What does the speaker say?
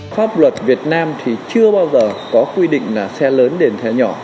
pháp luật việt nam thì chưa bao giờ có quy định là xe lớn đèn xe nhỏ